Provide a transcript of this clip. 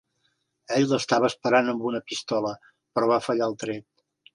Ell l'estava esperant amb una pistola, però va fallar el tret.